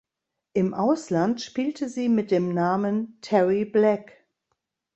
Im Ausland spielte sie mit dem Namen Terry Black.